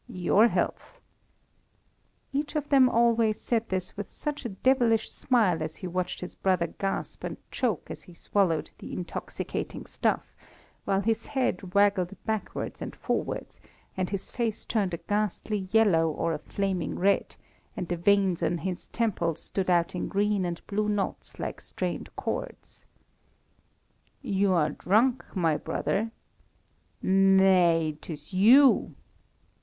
"Your health!" Each of them always said this with such a devilish smile as he watched his brother gasp and choke as he swallowed the intoxicating stuff, while his head waggled backwards and forwards, and his face turned a ghastly yellow or a flaming red, and the veins on his temples stood out in green and blue knots like strained cords. "You are drunk, my brother!" "Nay, 'tis you."